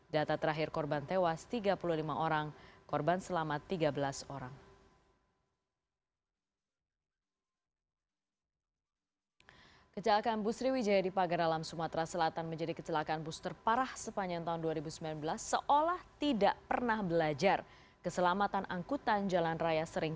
data terakhir korban tewas tiga puluh lima orang korban selamat tiga belas orang